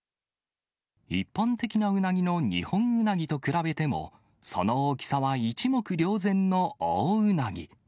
一般的なウナギのニホンウナギと比べても、その大きさは一目瞭然のオオウナギ。